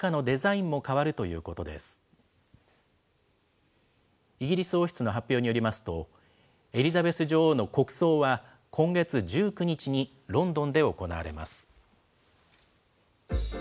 イギリス王室の発表によりますと、エリザベス女王の国葬は、今月１９日にロンドンで行われます。